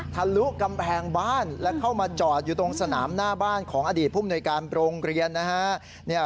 ทะลุกำแพงบ้านและเข้ามาจอดอยู่ตรงสนามหน้าบ้านของอดีตภูมิหน่วยการโรงเรียนนะฮะ